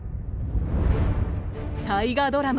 大河ドラマ